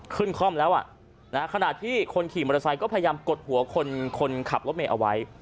คล่อมแล้วขณะที่คนขี่มอเตอร์ไซค์ก็พยายามกดหัวคนขับรถเมย์เอาไว้